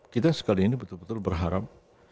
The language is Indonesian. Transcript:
kita sekali ini betul betul berharap